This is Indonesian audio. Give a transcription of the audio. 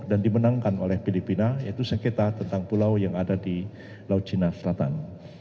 dan dimenangkan oleh filipina yaitu sengketa tentang pulau yang ada di laut cina selatan